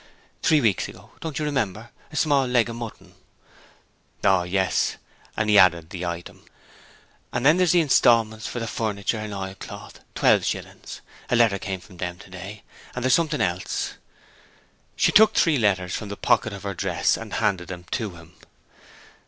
'Three weeks ago; don't you remember? A small leg of mutton,' 'Oh, yes,' and he added the item. 'Then there's the instalments for the furniture and oilcloth twelve shillings. A letter came from them today. And there's something else.' She took three letters from the pocket of her dress and handed them to him.